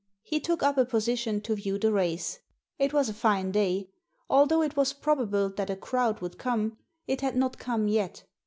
He took up a position to view the race. It was a fine day. Although it was probable that a crowd would come, it had not come yet.